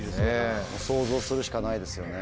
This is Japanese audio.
想像するしかないですよね。